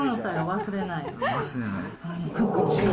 忘れない。